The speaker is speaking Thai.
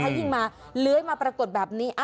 ถ้ายิ่งมาเลื้อยมาปรากฏแบบนี้